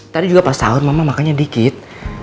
tadi juga pas sahur mama makannya dikit